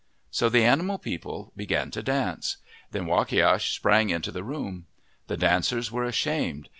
So the animal people began to dance. Then Wakiash sprang into the room. The dancers were ashamed.